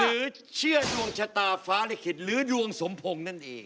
หรือเชื่อดวงชะตาฟ้าลิขิตหรือดวงสมพงศ์นั่นเอง